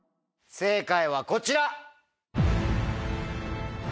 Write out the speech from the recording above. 正解はこちら。